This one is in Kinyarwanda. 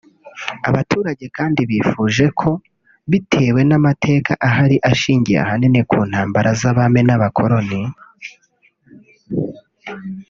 Abaturage kandi bifuje ko bitewe n’amateka ahari ashingiye ahanini ku ntambara z’abami n’abakoloni